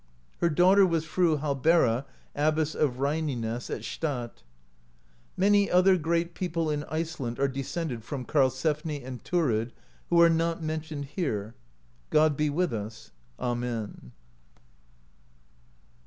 Her daughter was Fru Hallbera, Abbess of Reyniness at Stad (59). Many other great people in Iceland are descended from Karlsefni and Thurid, who are not mentioned here. God be with us. Amen